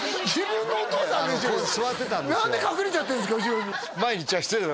なんで隠れちゃってんですか